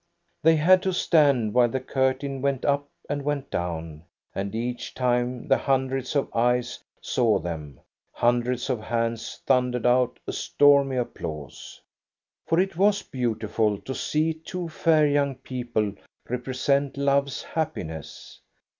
They had to stand while the curtain went up and went down, and each time the hundreds of eyes saw them, hundreds of hands thundered out a stormy applause. For it was beautiful to see two fair young people represent love's happiness.